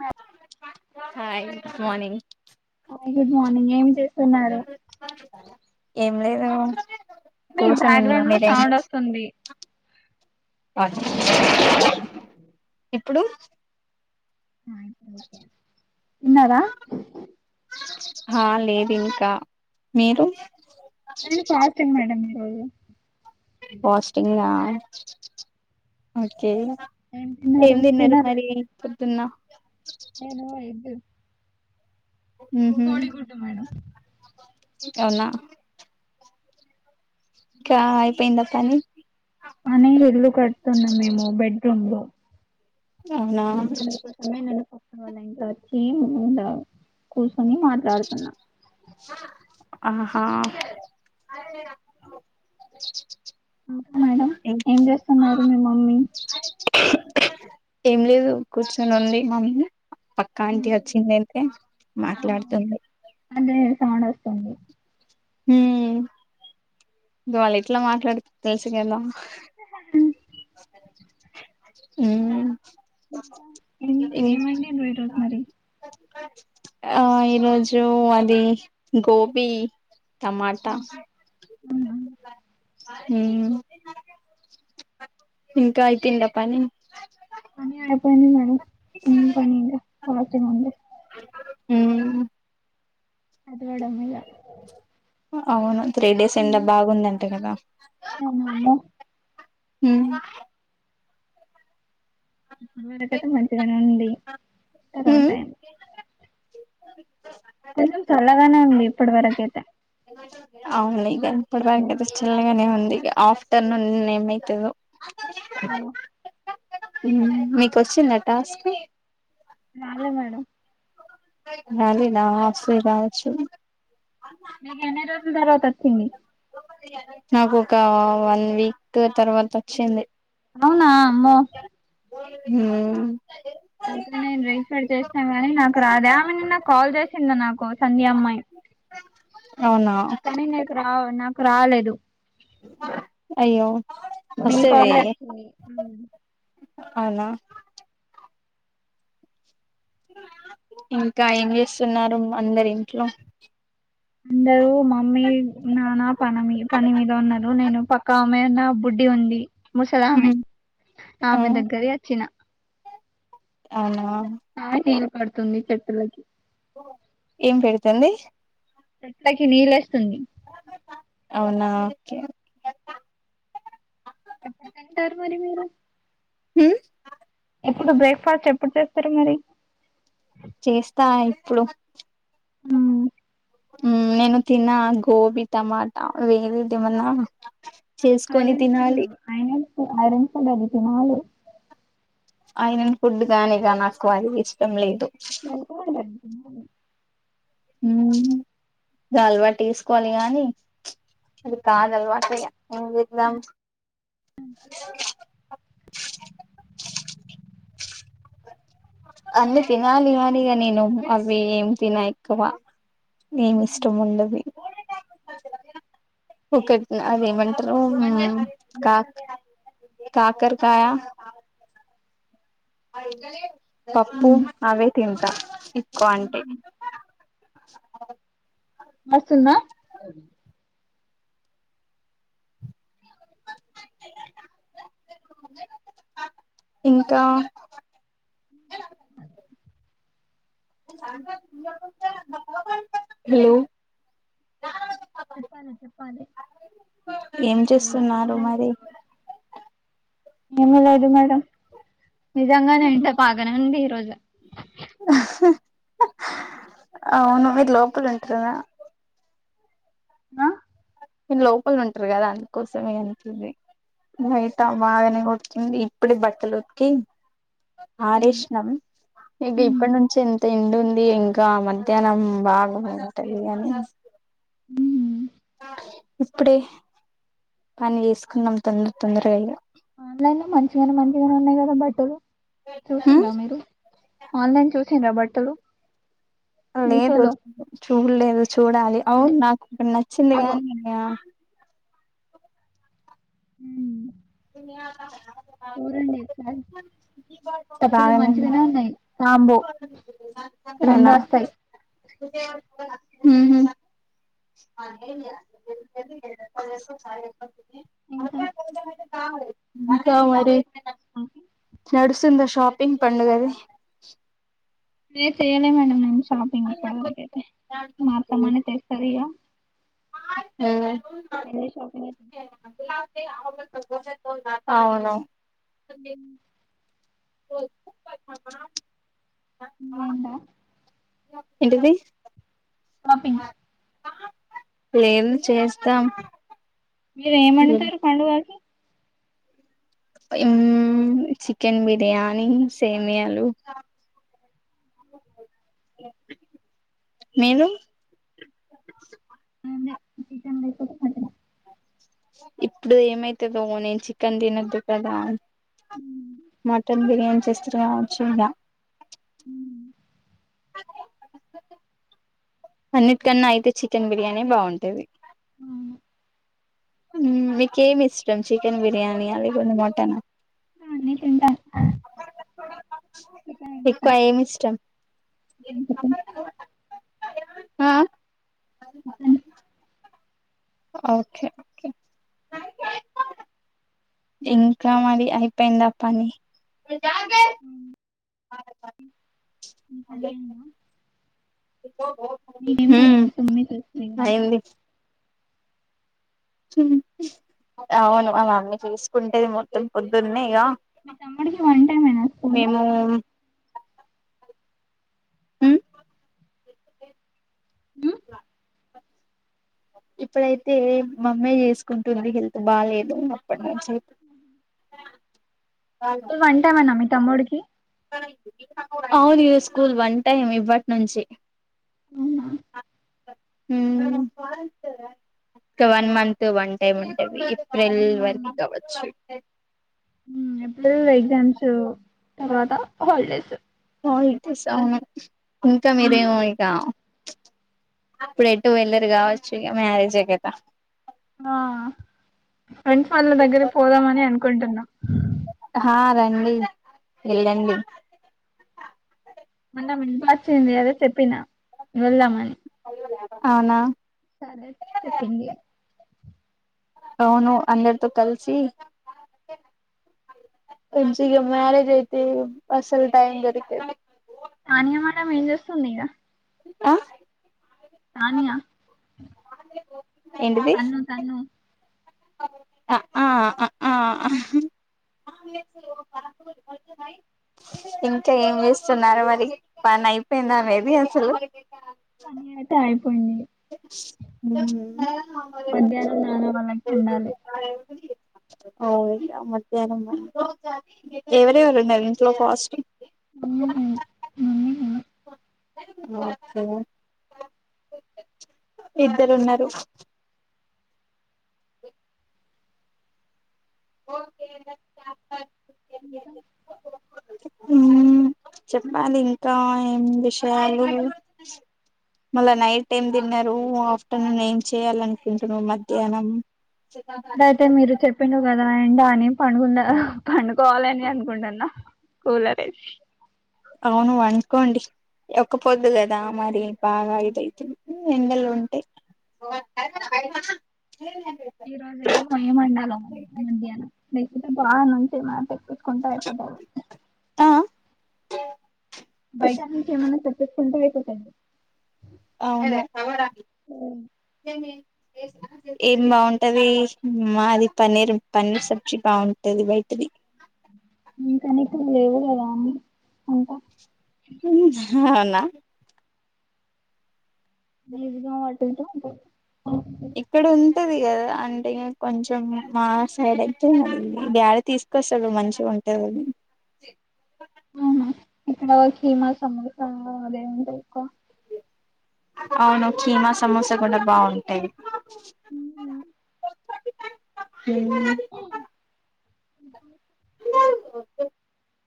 మా hi good morning good morning ఏం చేస్తు ఏ లేదు మీ కూర్చొని ఉన్నా బ్యాక్గ్రౌండ్ లో మీరేం సౌండ్ వస్తుంది అ అ ఎప్పుడు ఇన్నారా ఆ లేదు ఇంకా మీరు నేను ఫాస్టింగ్ మేడమ్ నేన అవునా ఫాస్టింగా ఓకే ఏం తిన్నారు మరి తన్న ఏను మా ఇదు ఇం ఉహు కోడి కుంట మేడం అవునా ఇంకా అయిపోయిందప్ప అని మన ఎల్ కడుతున్నా మేము బెడ్రూమ్ లో అవునా ఛీ ముండా రీ మాట్లాడుతున్నా ఆహా ఇంకా మేడం ఏం అ చేస్తున్నారు మీ మమ్మీ ఏం లేదు కూర్చొని ఉడి మమ్మీ పక్కా ఆంటీ వచ్చిందియిే మాట్లాడుతుంది చాన్ వస్తుంది హ ఇ వాళ్ళు ఎట్లా మాట్లాడు తెలుసు కదా ఉ ఏం ఏమండి ఈరోజు మరి ఆ ఈరోజు అది గోబీ టమాటా అవునా హ ఇంకా అయిపోయిందా పని పని అయిపోయింది మేడమ్ ఉ పనిడి మస్తే ముంది హ అదివాడం అమ్యా అవును త్రీ డేస్ ఎం బాగుందంటే కదా అనా అమ్మో హ ఇ వరకతే మంచిగానే ఉంది ఉమ్ తర్వాతాడి కొ చల్లగానే ఉంది ఇప్పటి వరకయితే అవున ఏం ప పార్ అతే చిల్లగానే ఉంది అ ఆఫ్టర్నుూన్ నేమ్రైతుదు ఏమో మీకొచ్చిందా టాస్క్ రాలేదు మేడమ్ రాలేదా [unintelligible] రావచ్చు [unintelligible] తర్వాత ఒచ్చింది నాకు ఒక వన్ వీక్ తర్వాత వచ్చింది అవునా అమ్మో హ అయితే నేను రీఫర్ చేస్తాను గాని నాకు రాదా ఆమె నిన్న కాల్ చేసి సింది నాకు సంధ్య అమ్మాయి అవునా కనీ ఆ నాకు రాలేదు అయ్యో మీ వస్తది కాలే వచ్చింది అవునా ఇంకా ఏం చేస్తున్నారు అందరు ఇంట్లో అందరూ మమ్మీ నానా పనమి పని మీద ఉన్నారు నేను పక్కా అమ్మాయి ఉన్న బుడ్డి ఉంది ముసలామె హ్మ్ ఆ ఆమె దగ్గరి అచ్చిన అవునా ఆమె నీళ్ళు పడుతుంది చెట్లకి ఏం పెడుతుంది చెట్లకి నీళ్ళు ఏస్తుంది అవునా ఓకే ఎప్పుడు తింటారు మరి మీరు హ ఇప్పుడు బ్రేక్ఫాస్ట్ ఎప్పుడు చేస్తారు మరి చేస్తా ఇప్పుడు అ నేను తిన్నా గోబీ టమాటా వేరేది ఏమన్నా చేసుకొని ఐరన్ ఫుడ్ తినాలి అయిన ఐరన్ ఫుడ్ ఆది తినాలి ఐరన్ ఫుడ్ గాని ఇగ నాకు అది ఇష్టం లేదు [inaudible] ఇగ అలవాటు చేసుకోవాలి గానీ అది కాదు అలవాటు ఇగ ఏం చేద్దాం అన్నీ తినాలి కానీ నేను అవి ఏం తిన ఎక్కువ ఏమి ఇష్టముండదు ఒకటి అదేమంట రూ బంద్ చేసినాం కా కాకరకాయ అయితే [unintelligible] పప్పు మ్మ్. అవే తింటా కొంటె అ వస్తున్నా ఇంకా హలో చెప్పాలి చెప్పాలి ఏం మడి చేస్తున్నారు మరి ఏమి లేదు మేడం నిజంగానేతింటా బగానే ఉండి ఈ రోజు అవును మీరు లోపల ఉంటారదా అ మీరు లోపల ఉంటారు కదా అందుకోసమే అంతది బయట బాగానే కొర్తుంది ఇప్పుడ బట్టలుకి మ్మ్. ఆరేష్నం ఇక మ్మ్. ఇప్పటి నుంచ ఎ ఎండు ఉంది ఇంకా మధ్యాహ్నం బాగు ఉంటుంది కాని ఉ ఇప్పుడే పని చేసుకున్నాం తొందర తొందరగా మంచిగా మంచిగానే ఉన్నాయి కదా బట్టలు చూసినరా మీరు ఆన్లైన్ చూసి రాబట్టలు లేదు చూడలేదు చూడాలి అవును నాకు ఒక్కటీ. నచ్చింది అగో కానీ హు యు చూడండి ఫ్రెండ్స్ తప్పులు బాగానే ఉంది మంచిగానే ఉన్నాయి సాంబో రెండు వస్తాయి హు అ చ ఇంకా ఆ ఇంకా మరి నడు వస్తుంద షాపింగ్ పండుగది లే చేయలే మేడ నం అ అత్తమ్మనే తెస్తది హు ఏ సోకలేదు అవును ఓకే జే ఏంటా [unintelligible] ఏంటిది షాపింగ్ లేదు చేస్తాం మీరు ఏం వండుతారు పండుగకి ఇం చికెన్ బిర్యానీ సేమియాలు నేను అదే చికెన్ లేకపోతే మటన్ ఇప్పుడు ఏమైతుదోగా నేను చికెన్ తినొద్దు కదా హ్మ్. మటన్ బిర్యానీ చేస్తే రావచ్చు ద హ్మ్ అన్నిటికన్నా అయితే చికెన్ బిర్యానీ బావుంటది ఉమ్మ్ ఉమ్మ్ మీకేం ఇష్టం చికెన్ బిర్యానియా లేకుంటే మటన్ అన్నీ తింటాను చికెన్ ఇష్టం ఎక్కువ ఏం ఇష్టం చికెన్ చికెన్ ఆ [inaudible] ఓకే ఓకే ఇంకా మరి అయిపోయిందా పని ఉమ్మ్ ఇంక నేను మ్మ్ మొత్తం మీ చేస్తది కాదు అయ్యింది అవును మా మమ్మీ చూసుకుంటేది మొత్తం పొద్దున్నే ఇగ మీ తమ్ముడికి వంటేమైనా వస్తుందా మేము మ్మ్ [inaudible] ఇప్పుడైతే మమ్మీ చేసుకుంటుంది హెల్త్ బాలేదు అప్పటి నుంచి దు వంటేమన్నా మీ తమ్ముడికి అవునీ స్కూల్ వన్ టైం ఇప్పటి నుంచి ఊహూ ఉమ్ క వన్ మంత్ వన్ టైమ్ ఉంటది ఏప్రిల్ వరకు కావచ్చు ఎప్పుడు వెయ్ గ్జామ్స్ తర్వాత హాలిడేసు వావ్ ఐతే సామే ఇంక మ్మ్. మీరేమో ఇక ఇప్పుడెటూ వెళ్ళరు కావచ్చు ఇగ మ్యారేజే కద ఆ ఫ్రెండ్స్ వాళ్ళ దగ్గరే పోదామని అనుకుంటున్నా హా రండి ఎళ్ళండి మళ్ళ [unintelligible] అదే చెప్పినా వెళ్దామని అవునా సరే చెప్పింది అవును అందరితో కలిసి ఇగ మ్యారేజ్ అయితే అసలు టైం దొరికితే తనియా మేడం ఏం చేస్తుంది ఇంగ ఆ తనియా ఏంటిది తన్ను తన్ను ఇంకా ఏం చేస్తున్నారు మరి పని అయిపోయింద మీది అసలు థ్యాంక్ పిన్ని హుమ్ మధ్యాహ్నం నాన్న వాళ్ళకి వండాలి అవు మధ్యాహ్నమా ఎవర ఎవరున్నారు ఇంట్లో ఫాస్టింగ్. మమ్మీ నేను, మమ్మీ నేను ఇద్దరు ఉన్నారు ఓకే ఇంకా హ్మ్మ్ చెప్పాలి ఇంకా ఏం విషయాలు మళ్ళా నైట్ ఏం తిన్నారు ఆఫ్టర్నూన్ ఏం చేయాల అనుకుంటున్నా మధ్యాహ్నం ఇ అయితే మీరు చెప్పిండరు కద ఫ్రెండ అని పండుకున్న పండుకోవాలని అనుకుంటున్నా కలర్ యేసి. అవును పనుకోండి ఒక్కపోద్దు కథ మరి బాగా ఇదైతది ఎండలు ఉంటాయి. ఈ రోజు ఎమ్ వండి వండాలో మరి మధ్యాహ్నం. ఇటూ బానుంటి నాకైతే కొంటా ఐపోతది. ఆ బయట నుంచి ఏమన్నా తెప్పించుకుంటే అయిపోతాది. అవునా ఏం బాగుంటది. మాది పన్నీర్, పన్నీర్ సబ్జీ బాగుంటది బయటిది. ఇంకా నీకు లేవదు కదా అంతా అవునా నీ సుగవటంటే ఉంటాది ఎక్కడ ఉండ్ ఉంటది కదా అంటే కొంచెం మా సైడ్ అయితే డాడీ తీసుకొస్తాడు మంచిగా ఉంటది. అవునా ఇక్కడ కీమ సమోసా అదే ఉంటాయి. ఎక్కువ అవును కీమా సమోసా కూడా బావుంటాయి. తిన్ ఉహ్